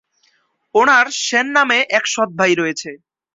উনার শেন নামে এক সৎ ভাই রয়েছে।